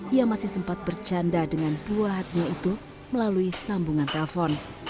ia masih sempat bercanda dengan buah hatinya itu melalui sambungan telepon